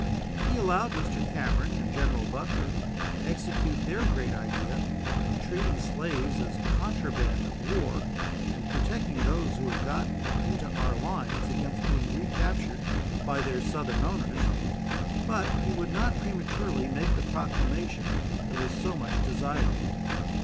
He allowed Mr. Cameron and General Butler to execute their great idea of treating slaves as contraband of war and protecting those who had got into our lines against being recaptured by their Southern owners; but he would not prematurely make the proclamation that was so much desired.